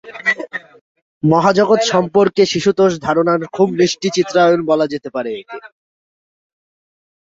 মহাজগত্ সম্পর্কে শিশুতোষ ধারণার খুব মিষ্টি চিত্রায়ণ বলা যেতে পারে একে।